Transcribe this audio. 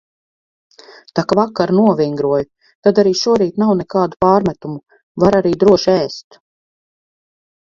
Tak vakar novingroju, tad arī šorīt nav nekādu pārmetumu – var arī droši ēst.